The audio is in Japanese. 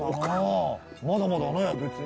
まだまだね別に。